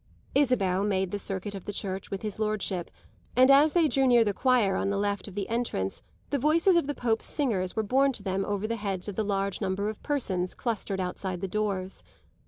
Isabel made the circuit of the church with his lordship, and as they drew near the choir on the left of the entrance the voices of the Pope's singers were borne to them over the heads of the large number of persons clustered outside the doors.